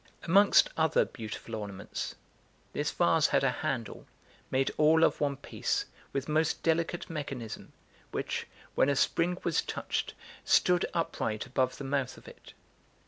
Amongst other beautiful ornaments, this vase had a handle, made all of one piece, with most delicate mechanism, which, when a spring was touched, stood upright above the mouth of it.